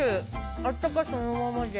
あったかさ、そのままで。